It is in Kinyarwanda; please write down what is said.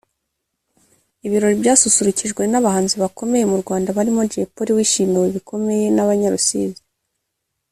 Ibirori byasusurukijwe n’abahanzi bakomeye mu Rwanda barimo Jay Polly wishimiwe bikomeye n’Abanya-Rusizi